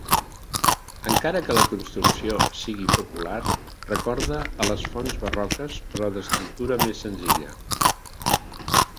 Encara que la construcció sigui popular recorda a les fonts barroques però d'estructura més senzilla.